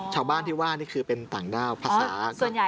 ใช้บ้านที่บ้านที่เป็นดาวภาษา